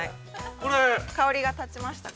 ◆香りが立ちましたか？